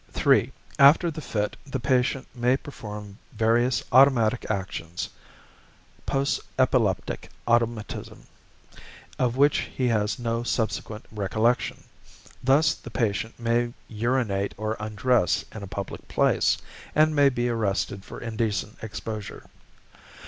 (3) After the fit the patient may perform various automatic actions (post epileptic automatism) of which he has no subsequent recollection. Thus the patient may urinate or undress in a public place, and may be arrested for indecent exposure.